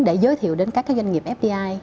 để giới thiệu đến các doanh nghiệp fdi